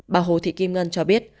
bà hồ thị kim ngân cho biết